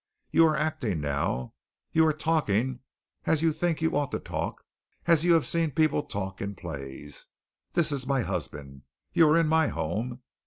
You are acting now. You're talking as you think you ought to talk, as you have seen people talk in plays. This is my husband. You are in my home.